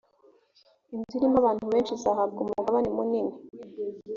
inzu irimo abantu benshi, izahabwa umugabane munini.